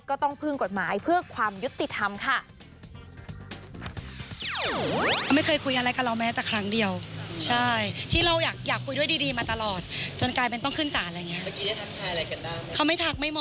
ก็ต้องพึ่งกฎหมายเพื่อความยุติธรรมค่ะ